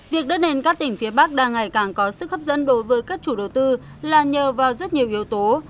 việc đất nền các tỉnh phía bắc đang ngày càng có sức hấp dẫn đối với các chủ đầu tư là nhờ vào rất nhiều yếu tố